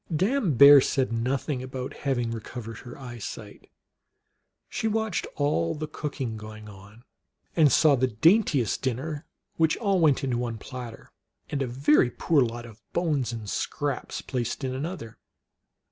Dame Bear said nothing about her having recov ered her eyesight. She watched all the cooking going on, and saw the daintiest dinner, which all went into one platter, and a very poor lot of bones and scraps placed in another.